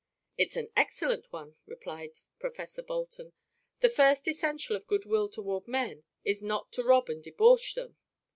"It's an excellent one," replied Professor Bolton. "The first essential of good will toward men is not to rob and debauch them."